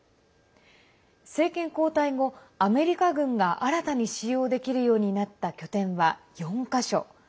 政権交代後、アメリカ軍が新たに使用できるようになった拠点は４か所。